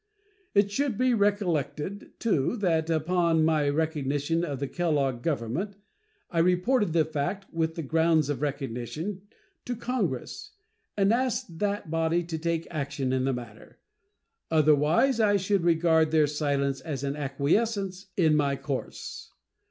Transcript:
It should be recollected, too, that upon my recognition of the Kellogg government I reported the fact, with the grounds of recognition, to Congress, and asked that body to take action in the matter; otherwise I should regard their silence as an acquiescence in my course.